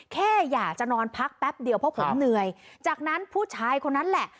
แค่อยากจะนอนพักแป๊บเดียวเพราะผมเหนื่อยจากนั้นผู้ชายคนนั้นแหละ